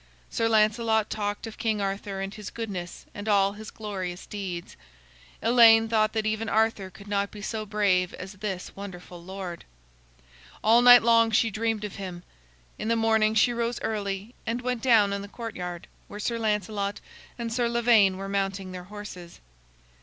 Sir Lancelot talked of King Arthur and his goodness and all his glorious deeds. Elaine thought that even Arthur could not be so brave as this wonderful lord. All night long she dreamed of him. In the morning she rose early and went down in the courtyard where Sir Lancelot and Sir Lavaine were mounting their horses.